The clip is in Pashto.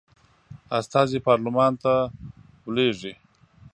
استازي پارلمان ته ولیږي.